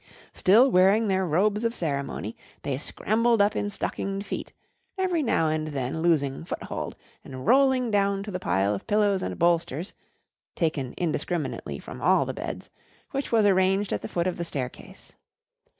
Still wearing their robes of ceremony, they scrambled up in stockinged feet, every now and then losing foothold and rolling down to the pile of pillows and bolsters (taken indiscriminately from all the beds) which was arranged at the foot of the staircase.